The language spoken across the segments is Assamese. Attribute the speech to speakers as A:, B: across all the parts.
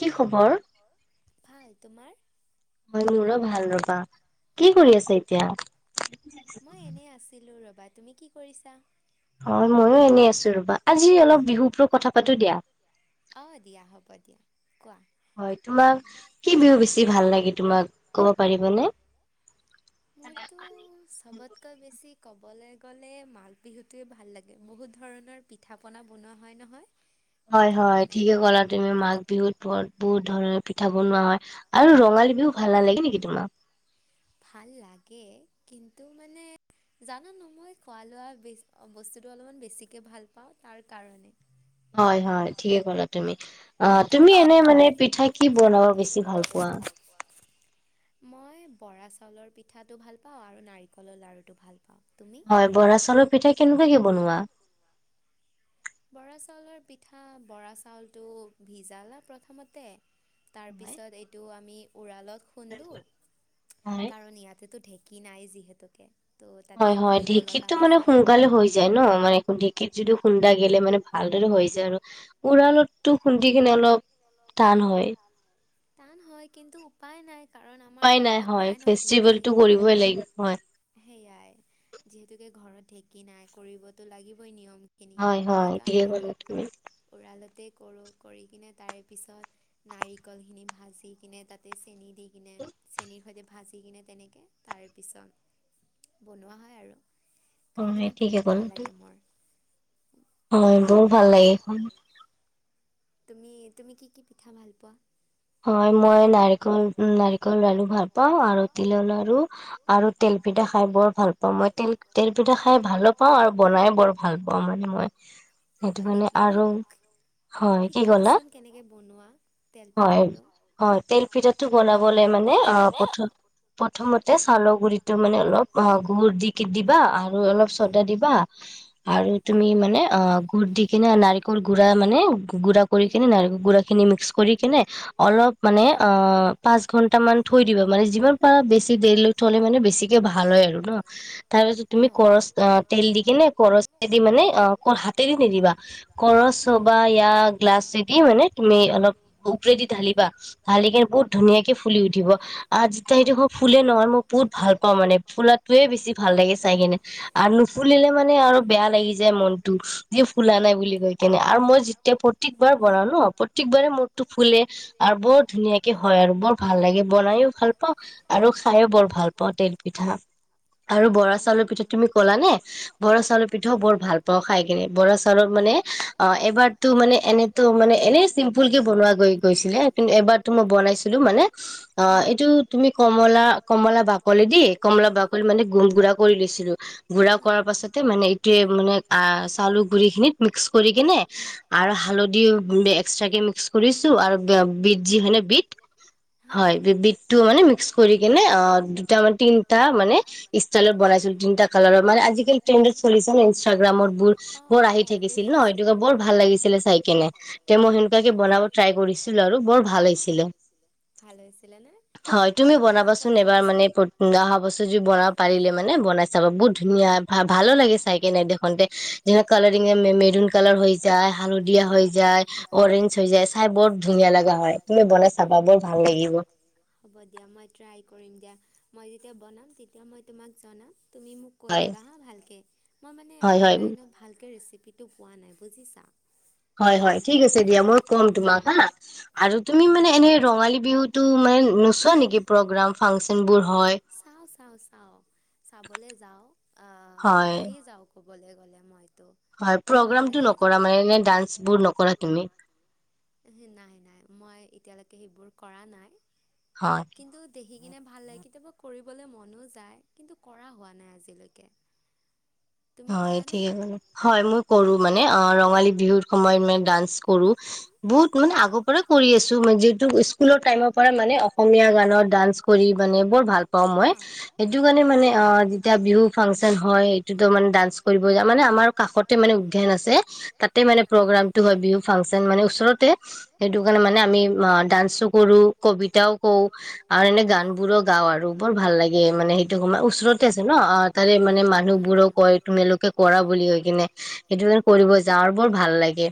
A: কি খবৰ?
B: ভাল। তোমাৰ?
A: হয়, মোৰো ভাল, ৰবা। কি কৰি আছে এতিয়া?
B: তুমি কি কৰিছা?
A: হয় ময়ো এনেই আছো, ৰবা আজি অলপ বিহু ওপৰত কথা পাতো দিয়া। হয়, তোমাক কি বিহু বেছি ভাল লাগে? তোমাক কব পাৰিবানে?
B: মোৰতো', চবতকৈ বেছিক ক'বলৈ গ'লে মাঘ বিহুটোৱে ভাল লাগে। বহুত ধৰণৰ পিঠা পনা বনোৱা হয় নহয়,
A: হয়, হয় ঠিকে ক'লা তুমি মাঘ বিহুত প বহুত ধৰণৰ পিঠা বনোৱা হয়। আৰু ৰঙালী বিহু ভাল নালাগে নেকি তোমাক?
B: ভাল লাগে, কিন্তু মানে, জানা ন মই খোৱা লোৱা বস্তুটো অলপমান বেছিকে ভাল পাওঁ তাৰ কাৰণে।
A: হয়, হয়, ঠিকে ক'লা তুমি। অঁ, তুমি এনে মানে পিঠা কি বনাব? বেছি ভাল পোৱা?
B: মই বৰা চাউলৰ পিঠাটো ভাল পাওঁ আৰু নাৰিকলৰ লাড়ুটো ভাল পাওঁ।
A: হয়, বৰা চাউলৰ পিঠা কেনেকুৱাকে বনোৱা?
B: বৰা চাউলৰ পিঠা বৰা চাউলটো ভিজালা প্ৰথমতে, তাৰপিছত এইটো আমি উৰালত খুন্দো কাৰণ, ইয়াতেতো ঢেঁক কি, নাই যিহেতুকে
A: হয়, হয়, ঢেঁকীতটো মানে সোনকালে হৈ যায় ন। মানে ঢেঁকিত যদি খুন্দাই লিলে মানে ভালদৰে হৈ যায় আৰু উৰালতো খুন্দি কিনে অলপ টান হয়।
B: টান হয়, কিন্তু উপায় নাই। কাৰণ আমাৰ ঘৰত নাই নহয় ঢেঁকী। সেয়াই যিহেতুকে ঘৰত ঢেঁকী নাই কৰিবতো লাগিবই নিয়ম ত সেইকাৰণে আৰু উৰালতে কৰো কৰি কিনে তাৰে পিছত নাৰিকল সেইখিনি ভাজি কিনে তাতে চেনি দি কিনে চেনীৰ সৈতে ভাজি কিনে তেনেকৈ তাৰপিছত বনোৱা হয় আৰু। খাই কিনে বহুত ভাল লাগে মোৰ
A: হয়, বৰ ভাল লাগে এইখন।
B: তুমি তুমি কি কি পিঠা ভাল পোৱা?
A: হয় মই নাৰিকল নাৰিকল লাৰু ভাল পাওঁ আৰু তিলৰ লাৰু আৰু তেল পিঠা খাই বৰ ভাল পাওঁ, মই তেল তেলপিঠা খাই ভালো পাওঁ আৰু বনাই বৰ ভাল পাওঁ মানে মই, সেইটো কাৰণে আৰু হয় কি কলা? হয় হয়, তেল পিঠাটো বনাবলে মানে অ প্ৰথম প্ৰথম তে চাউলৰ গুৰিটো মানে অলপ অ গুুৰ দি কি দিবা, আৰু অলপ চদা দিবা, আৰু তুমি মানে অ গুৰ দি কিনে নাৰিকল গুৰা মানে গুৰা কৰি কিনে নাৰিকল গুৰা খিনি মিক্স কৰি কিনে অলপ মানে অ, পাঁচ ঘন্টা মান থৈ দিবা মানে যিমান পাৰ বেছি দেৰিলৈ থ মানে, বেছিকে ভাল হয় আৰু ন, তাৰ পিছত তুমি কৰচ তেল দি কিনে কৰচদি মানে হাতেদি নিদিবা, কৰচ বা য়া গ্লাছদি মানে তুমি অলপ পৰেদি ঢালিবা, ঢালিকিনে বহুত ধুনীয়াকে ফুলি উঠিব, আজি ত ফুলে নোৱাৰো মই বহুত ভাল পাওঁ মানে, ফুলাটোৱে বেছি ভাল লাগে চাই কেনে, আৰু নুফুলিলে মানে আৰু বেয়া লাগি যায় মনটো যে ফুলা নাই বুলি কৈ কেনে আৰু মই যেতিয়া প্ৰত্যেকবাৰ বনাও ন প্ৰত্যেকবাৰে মোৰ ফুলে আৰু বৰ ধুনীয়াকে হয় আৰু বৰ ভাল লাগে বনাইও ভাল পাওঁ আৰু খাইয়ো বহু বৰ ভাল পাওঁ তেল পিঠা, আৰু বৰা চাউলৰ পিঠা তুমি ক'লা নে বৰা চাউলৰ পিঠাও বৰ ভাল পাওঁ খাই কিনে বৰা চাউলৰ মানে অ এবাৰতো মানে এনেতো মানে এনে চিম্পুল কে বনোৱা বৌ কৈছিলে, তুমি এবাৰ তুমি বনাইছিলো মানে, অ, এইটো তুমি কমলা, কমলা কলেদি কমলা বাকলি মানে গুৰ কৰি লৈছিলো, গুৰা কৰাৰ পাছতে মানে এইটোৱে মানে চাউল গুৰি খিনিত মিক্স কৰি কিনে আৰু হালধি এক্সট্ৰাকে মিক্স গুৰিছো আৰু ব ব বিট যি মানে বিট, হয় বিটটো মানে মিক্স কৰি কিনে আ তাৰ মানে তিনিটা মানে ষ্টাইলত বনাইছিলো তিনটা কালৰৰ মানে আজিকালি ট্ৰেণ্ডত চলিছো ন ইনষ্টাগ্ৰামত বোৰ বৰ আহি থাকিছিল ন সেইটো বৰ ভাল লাগিছিলে চাই কেনে তে মই সেনেকুৱাক কে বনাব ট্ৰাই কৰিচিলো আৰু বৰ ভাল হৈছিলে, হয় তুমি বনাবাছোন এ ৱাৰ মানে অহা বস্তু য বনাব পাৰিলে মানে বনাই চাব বহুত ধুনীয়া ভ ভালো লাগে চাই কেনোই দেখোতে যে কালাৰ মেৰুন কালাৰ হৈ যায়, হালধীয়া হৈ যায়, অৰেঞ্জ হৈ যায় খাই বৰ ধুনীয়া লগা হয়, তুমি বনাই চাবা বৰ ভাল লাগিব।
B: দিয়া, মই যেতিয়া বনাম তেতিয়া মই তোমাক জনাম। তুমি মোক কৈ দিবা হা ভালকে, মই মানে অনলাইনত ভালকৈ ৰেচি সেইটো পোৱা নাই বুজিছা।
A: হয় হয়, ঠিক আছে দিয়া মই কম তোমাক হা, তুমি মানে এনেই ৰঙালী বিহুটো মানে নুচুৱা নেকি প্ৰগ্ৰেম, ফাংচন
B: চাওঁ চাওঁ চাওঁ চাবলৈ যাওঁ আহ সদায়ে যাওঁ। ক'বলৈ গ'লে মই ভাল লাগে যাই কেনে নাই নাই মই এতিয়ালৈকে সেইবোৰ কৰা নাই। কিন্তু দেখ খি কিনে ভাল লাগে কেতিয়াবা কৰিবলৈ মনো যায়, কিন্তু কৰা হোৱা নাই আজিলৈকে।
A: হয় হয় মই কৰো মান ৰঙালী বিহুৰ সময়ত মানে ডান্স কৰো বহুত মানে আগৰ পৰাই কৰি আছো যিহেতু স্কুলৰ টাইমৰ পৰা মানে অসমীয়া গানত ডান্স কৰি মানে বৰ ভাল পাওঁ মই সেইটো কাৰণে মানে অ যেতিয়া বিহু ফাংচন হয় এই টো মানে ডান্স কৰিব যাই মানে আমাৰ কাষতে মানে উদ্যান আছে তাতে মানে প্ৰগ্ৰাম টো হয় বিহু ফাংচন মানে ওচৰতে সেইটো কাৰণে আমি ডান্সও কৰো কবিতাও কওঁ। মানে গান বোৰো গাও আৰু বৰ ভাল লাগে মানে সেইটো সময়ৰ ওচৰতে আছে ন অ তাৰে মানে মানুহবোৰক কয় তোমালোকে কৰা বুলি কৈ কিনে সেইটো কাৰে কৰিব যাওঁ আৰু বৰ ভাল লাগে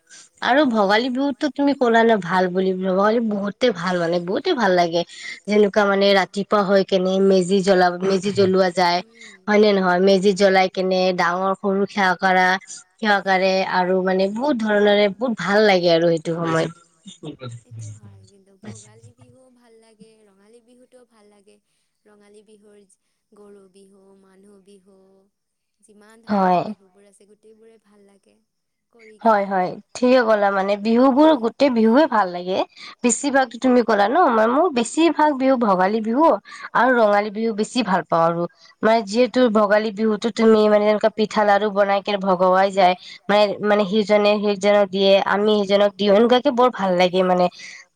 A: আৰু ভোগালী বিহুতো তুমি কলা ন ভাল বুলি ভোগালী বহুতেই ভাল মানে বহুতে ভাল লাগে যেনেকুৱা মানে ৰাতিপুৱা হৈ কেনে মেজি জ্বলাও মেজি জ্বলোৱা যায় হয় নে নহয় মেজি জলাই কেনে ডাঙৰ সৰু সেৱা কৰা সেৱা কৰে আৰু মানে বহুত ধৰণৰে বহুত ভাল লাগে আৰু সেইটো সময়ত
B: ৰঙালী বিহুটো ভাল লাগে ৰঙালী বিহুৰ গৰু বিহু, মানুহ বিহু। যিমান ধৰণৰ বিহু বোৰ আছে গ গোটেই বোৰে ভাল লাগে
A: হয় হয় ঠিকে ক'লা মানে বিহু বোৰ গোতেই বিহু ভাল লাগে বেছিভাগতো তুমি ক'লা ন মামো মোৰ বেছিভাগ বিহু ভোগালী বিহু আৰু ৰঙালী বিহু বেছি ভাল পাওঁ আৰু মানে যিহেতু ভোগালী বিহুতো তুমি মানে তেনেকুৱা পিঠা লাৰু বনাই কেনে ভগৱাই যায় মানে মানে সিজনে সিজনক দিয়ে আমি সিজনক দিও এনেকুৱাকে বৰ ভাল লাগে মানে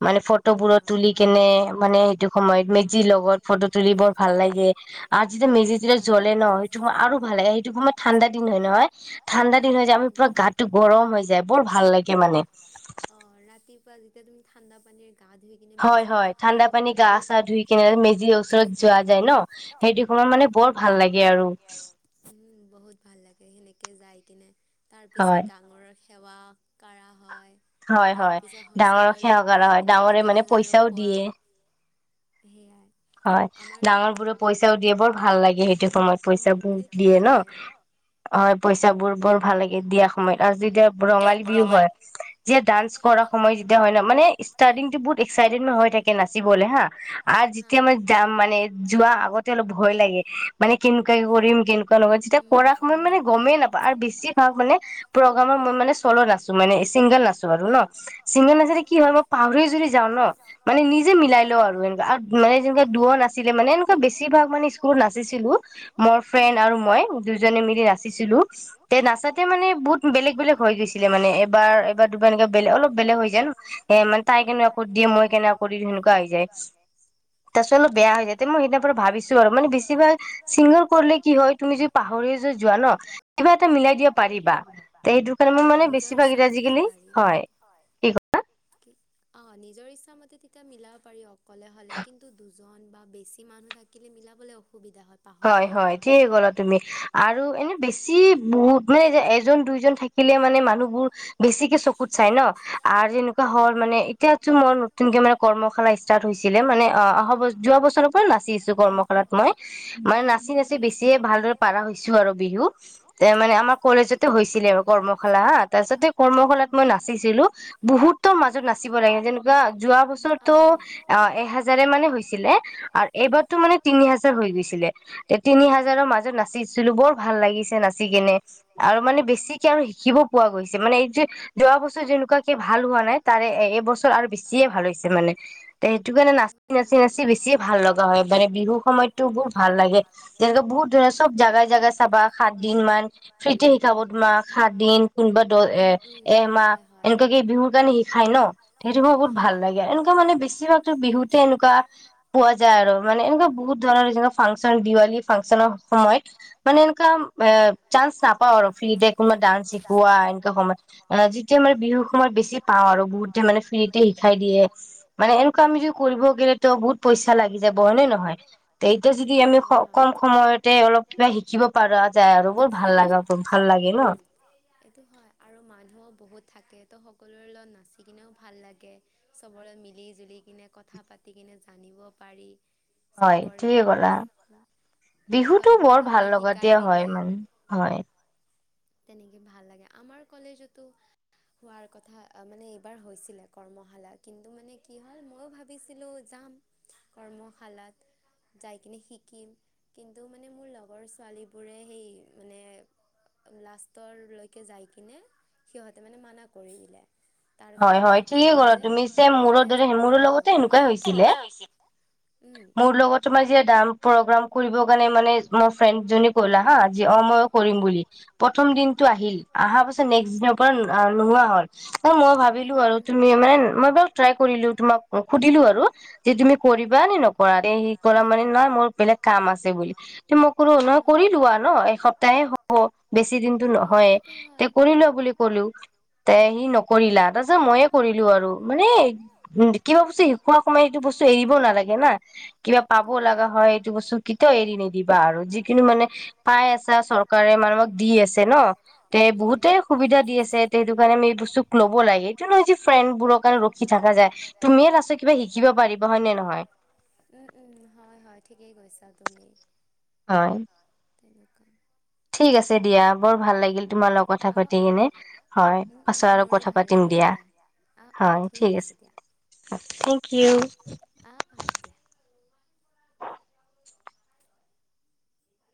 A: মানে ফটোবোৰত তুলি কেনে মানে সেইটো সময়ত মেজিৰ লগত ফটো তুলি বৰ ভাল লাগে আৰু যেতিয়া মেজি যেতিয়া জ্বলে ন সেইটো আৰু ভাল লাগে সেইটো মাৰ ঠাণ্ডা দিন হয় নহয় ঠাণ্ডা দিন হয় যে আমি পুৰা গাত গৰম হৈ যায় বৰ ভাল লাগে মানে।
B: ৰাতিপুৱা যেতিয়া তুমি ঠাণ্ডা পানীৰে গা গা ধুই কিনে মেজিৰ কাষলৈ যাব বহুত
A: ধুই কিনে মেজিৰ ওচৰত যোৱা যায় ন সেইটো সময়ত মানে বৰ ভাল লাগে আৰু।
B: বহুত ভাল লাগে সেনেকে যাই কিনে তাৰ পিছত ডাঙৰক সেৱা। সেৱা কৰা হয়
A: হয় হয় ডাঙৰক সেৱা কৰা হয় ডাঙৰে মানে পইচাও দিয়ে
B: সেয়াই
A: হয় ডাঙৰ বোৰে পইচাও দিয়ে বৰ ভাল লাগে সেইটো সময়ত পইচা বোৰ দিয়ে ন, হয় পইচা বোৰ বৰ ভাল লাগে দিয়া সময়ত আৰু যেতিয়া ৰঙালী বিহু হয় যেতিয়া ডান্স কৰা সময়ত যেতিয়া হয় ন মানে ষ্টাৰ্টিংটো বহুত এক্সাইটে হৈ থাকে নাচিবলে হা তেতিয়া মই যাম মানে যোৱা আগতে অলপ ভয় লাগে মানে কেনেকুৱা কৰিম কেনেকুৱা নকৰিম তেতিয়া কৰা মই মানে গমেই নাপাওঁ আৰু বেছিভাগ মানে প্ৰগ্ৰামৰ মই মানে চলত আৰু মানে চিংগল নাচো বাৰু ন, চিংগল মাজতে মানে কি হয় মই পাহৰি যদি যাওঁ ন মানে নিজে মিলাই লও আৰু মানে যেনেকা দুৱ নাছিলে মানে এনেকুৱা বেছি ভাগ মানে স্কুলত নাচিছিলো, মোৰ ফ্ৰেণ্ড আৰু মই দুজনে মিলি নাচিছিলো তে নাচাতে মানে বহুত বেলেগ বেলেগ হৈ গৈছিলে মানে এবাৰ এবাৰ দুবাৰ এনে বেলে অলপ বেলেগ হৈ যায় মানে তাই কেনেকুৱা কৰি দিয়ে মই কেনেকুৱা কৰি দি সেনেকুৱা হৈ যায়। তাৰ পিছত অলপ বেয়া হৈ যায় মই সেইদিনা পৰা ভাবিছো আৰু মানে বেছিভাগ চিংগাৰ কৰিলে কি হয় তুমি যদি পাহৰি য যোৱা ন, কিবা এটা মিলাই দিবা পাৰিবা তে সেইটো কাৰণে মই মানে বেছিভাগ এতিয়া আজিকালি হয় কি কথা?
B: অ নিজৰ ইচ্ছামতে তেতিয়া মিলাব পাৰি অ ক'লে হ'লে কিন্তু ওজন বা বেছি মানুহ থাকিলে মিলাবলৈ অসু
A: হয় হয় ঠিকে কলা তুমি আৰু এনে বেছি বহুত মানে এজন দুইজন থাকিলে মানে মানুহবোৰ বেছিকে চকুত চাই ন আৰু যেনেকোৱা হল মানে এতিয়াতো মই নতুনকে মানে কৰ্মশালা ষ্টাৰ্ট হৈছিলে মানে অ অহা ব যোৱা বছৰৰ পৰা নাচিছো কৰ্মশালাত মই মানে নাচি নাচি বেছিয়ে ভালদৰে পাৰা হৈছো আৰু বিহু এ মানে আমাৰ কলেজতে হৈছিলে আৰু কৰ্মশালা হা তাৰপিছতে কৰ্ম মই নাচিছিলো বহুতৰ মাজত নাচিব লাগে যেনেকোৱা যোৱা বছৰতো অ এ হাজাৰে মানে হৈছিলে আৰু এইবাৰতো মানে তিনি হাজাৰ হৈ গৈছিলে তিনি হাজাৰৰ মাজত নাচিছিলো বৰ ভাল লাগিছে নাচি কেনে আৰু মানে বেছিকে আৰু শিকিব পোৱা গৈছে মানে এই যে যোৱা বছৰ যেনেকোৱাকে ভাল হোৱা নাই তাৰে এইবছৰ আৰু বেছিয়ে ভাল হৈছে মানে সেইটো কাৰণে নাচি নাচি নাচি বেছিয়ে ভাল লগা হয় মানে বিহুৰ সময়ততো বহু ভাল লাগে তেনেকে বহুত ধৰা চব জাগাই জাগাই চাবা সাত দিন মান ফ্ৰীতে শিকাব তোমাক সাত দিন কোনোবা দহ এ এ মাহ এনেকোৱাকে বিহুৰ কাৰণে শিকাই ন সেইটো ম বহুত ভাল লাগে আৰু এনেকোৱা মানে বেছিভাগতো বিহুতে এনেকোৱা পোৱা যায় আৰু মানে এনেকোৱা বহুত ধৰণৰ ফাংচন দিৱালী ফাংচনৰ সময়ত মানে এনেকোৱা এ চান্স নাপাওঁ আৰু ফ্ৰীতে কোনোবা ডান্স শিকোৱা এনেকা সম অ যেতিয়া মানে বিহুৰ সময়ত বেছি পাও আৰু বহুতে মানে ফ্ৰীতে শিকাই দিয়ে মানে এনেকোৱা আমি যে কৰিব গেলে তো বহুত পইচা লাগি যাব হয় নে নহয় এতিয়া যদি আমি কম সময়তে অলপ কিবা শিকিব পাৰা যায় আৰু বৰ ভাল লগা ভাল লাগে ন
B: আৰু মানুহো বহুত থাকে তো সকলোৰে লগত নাচিকেনেও ভাল লাগে চবৰে মিলি জুলি কিনে কথা পাতি কিনে জানিব পাৰি
A: হয় ঠিকেই কলা বিহুটো বৰ ভাল লগাতে হয় মানে হয়
B: তেনেকে ভাল লাগে আমাৰ কলেজতো হোৱাৰ কথা মানে এইবাৰ হৈছিলে কৰ্মশালা কিন্তু মানে কি হ'ল ময়ো ভাবিছিলো যাম কৰ্মশালাত যাই কিনে শিকিম কিন্তু মানে মোৰ লগৰ ছোৱালীবোৰে সেই মানে লাষ্টৰলৈকে যাই কিনে সিহতে মানে মানা কৰি দিলে
A: হয় হয় ঠিকে কৰ তুমি যে মোৰো দৰে মোৰ লগতে সেনেকোৱাই হৈছিলে মোৰ লগত তোমাৰ যিহে প্ৰগ্ৰাম কৰিব কাৰণে মানে মোৰ ফ্ৰেণ্ডজনী কলা হা অ ময়ো কৰিম বুলি প্ৰথম দিনটো আহিল অহা পাছত নেক্সট দিনৰ পৰা নোহোৱা হল মই ভাবিলো আৰু তুমি মানে মই বাৰু ট্ৰাই কৰিলো তোমাক সুধিলো আৰু যে তুমি কৰিবা নে নকৰা তে সি কৰা মানে নহয় মোৰ বেলেগ কাম আছে বুলি তে মই কলো নহয় কৰিলোৱা ন এসপ্তাহে হব বেছি দিনটো নহয়ে তে কৰি লোৱা বুলি কলো তে সি ন কৰিলা তাৰপিছত মইয়ে কৰিলো আৰু মানে কিবা বস্তু খোৱা সময় এইটো বস্তু এৰিব নালাগে না, কিবা পাব লগা হয়। এইটো বস্তু কেতিয়াও এৰি নিদিবা আৰু যিকোনো মানে পাই আছা, চৰকাৰে মানুহক দি আছে ন তে বহুতেই সুবিধা দি আছে। সেইটো কাৰণে আমি এই বস্তু ল'ব লাগে, এইটো নহয় যে ফ্ৰেণ্ড বোৰৰ কাৰণে ৰখি থাকা যায় তুমিয়ে, পাছত কিবা শিকিব পাৰিব হয় নে নহয়?
B: টাাদমি [unintelligible]
A: হয়।
B: তেনেকুৱা [unintelligible]
A: ঠিক আছে দিয়া বৰ ভাল লাগিল তোমাৰ লগ কথা পাতি কিনে হয়। পাছত আৰু কথা পাতিম দিয়া হয়, ঠিক আছে। Thank U.